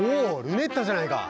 ルネッタじゃないか。